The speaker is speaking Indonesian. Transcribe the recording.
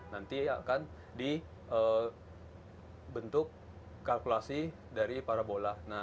nanti akan dibentuk kalkulasi dari paru